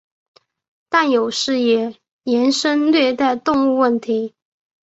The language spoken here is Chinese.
但有时也衍生虐待动物问题。